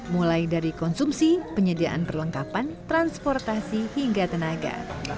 mulai dari konsumsi penyediaan perlengkapan transportasi hingga tenaga